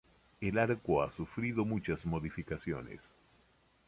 El arco ha sufrido muchas modificaciones.